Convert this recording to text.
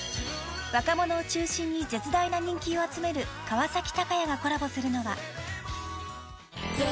［若者を中心に絶大な人気を集める川崎鷹也がコラボするのは］